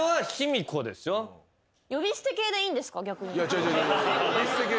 違う違う。